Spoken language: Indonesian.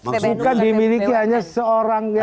maksudnya kan dimiliki hanya seorang yang